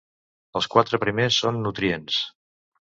Els quatre primers són nutrients.